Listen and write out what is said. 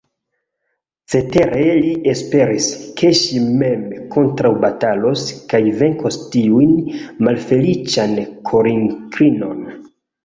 Cetere li esperis, ke ŝi mem kontraŭbatalos kaj venkos tiun malfeliĉan korinklinon.